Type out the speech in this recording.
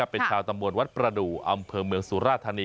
เป็นชาวตำบลวัดประดูกอำเภอเมืองสุราธานี